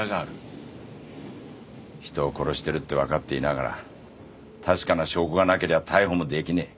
人を殺してるって分かっていながら確かな証拠がなけりゃ逮捕もできねえ。